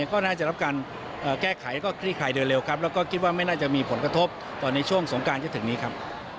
ก็น่าจะรับการแก้ไขแล้วก็คลี่คลายโดยเร็วครับแล้วก็คิดว่าไม่น่าจะมีผลกระทบต่อในช่วงสงการจะถึงนี้ครับ